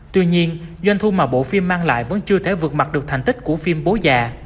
tuy nhiên doanh thu mà bộ phim mang lại vẫn chưa thể vượt mặt được thành tích của phim bố già